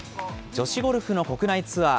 女子ゴルフの国内ツアー。